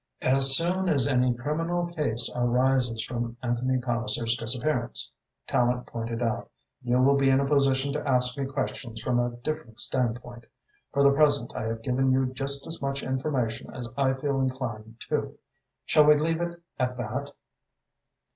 "As soon as any criminal case arises from Anthony Palliser's disappearance," Tallente pointed out, "you will be in a position to ask me questions from a different standpoint. For the present I have given you just as much information as I feel inclined to. Shall we leave it at that?"